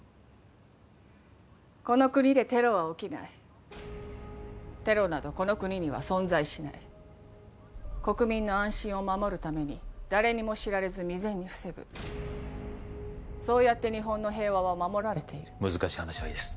この国でテロは起きないテロなどこの国には存在しない国民の安心を守るために誰にも知られず未然に防ぐそうやって日本の平和は守られている難しい話はいいです